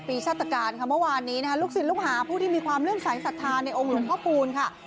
๑๑๑ปีชาติการค่ะเมื่อวานนี้ลูกศิลป์ลูกหาผู้ที่มีความเลื่อนใสสัทธาในองค์หลวงพ่อภูมิค่ะ